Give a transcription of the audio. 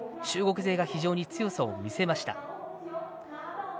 中国勢が強さを見せました。